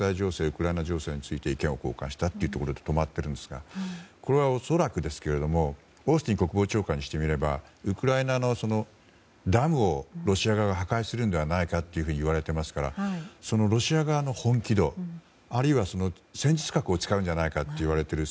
ウクライナ情勢について意見を交換したというところで止まっているんですがこれは恐らくですがオースティン国防長官にしてみれば、ウクライナのダムをロシア側が破壊するのではないかといわれていますからそのロシア側の本気度あるいは、戦術核を使うんじゃないかといわれている。